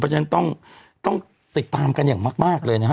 ฉะนั้นต้องติดตามกันอย่างมากเลยนะฮะ